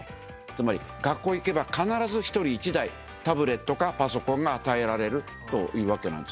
つまり学校に行けば必ず１人１台タブレットかパソコンが与えられるというわけなんですけどね。